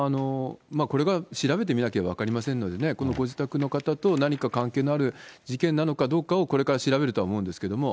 これから調べてみなければ分かりませんのでね、このご自宅の方と何か関係のある事件なのかどうかをこれから調べるとは思うんですけども。